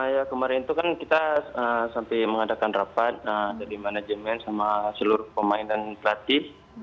ya kemarin itu kan kita sampai mengadakan rapat dari manajemen sama seluruh pemain dan pelatih